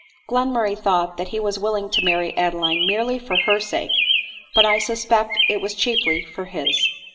Glenmurray thought that he was willing to marry Adeline merely for her sake; but I suspect it was chiefly for his.